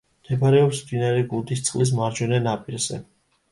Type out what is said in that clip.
მდებარეობს მდინარე გუდისისწყლის მარჯვენა ნაპირზე.